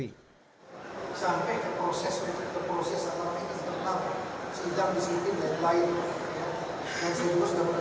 tidak boleh selfie dengan masyarakat calon itu sudah jelas sekali